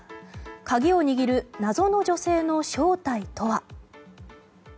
鍵を握る謎の女性の正体とは。